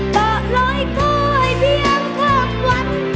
ตอบลอยก็ให้เพียงข้อมูล